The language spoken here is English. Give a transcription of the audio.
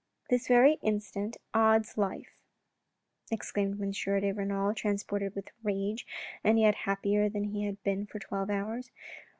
" This very instant, odds life,' ' exclaimed M. de Renal, transported with rage and yet happier than he had been for twelve hours.